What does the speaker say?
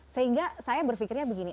sehingga saya berfikirnya begini